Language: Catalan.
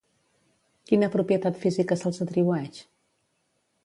Quina propietat física se'ls atribueix?